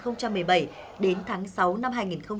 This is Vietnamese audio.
năm hai nghìn một mươi bảy đến tháng sáu năm hai nghìn một mươi tám